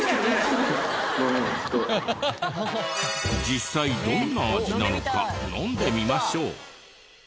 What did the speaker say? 実際どんな味なのか飲んでみましょう。